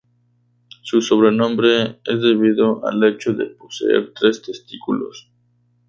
Su sobrenombre es debido al hecho de poseer tres testículos.